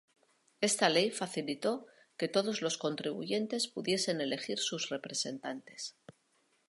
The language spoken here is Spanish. Esta ley facilitó que todos los contribuyentes pudiesen elegir a sus representantes.